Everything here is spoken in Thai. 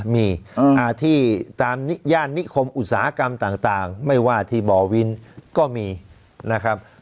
มีที่ตามย่านนิคมอุตสาหกรรมต่างไม่ว่าที่บ่อวินก็มีนะครับ